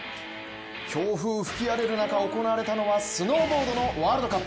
強風吹き荒れる中行われたのはスノーボードのワールドカップ。